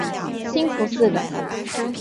兴福寺的。